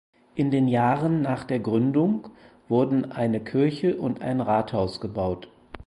In den Jahren nach der Gründung wurden eine Kirche und ein Rathaus gebaut.